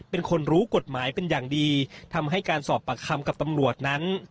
เป็นคนรู้กฎหมายเป็นอย่างดีทำให้การสอบปากคำกับตำรวจนั้น